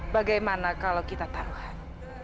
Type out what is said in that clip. bagaimana kalau kita taruhan